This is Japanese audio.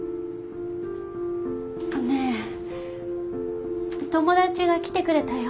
ねえ友だちが来てくれたよ。